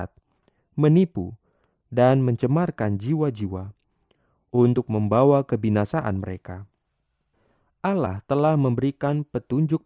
sebuah penelitian mengungkapkan bahwa kencur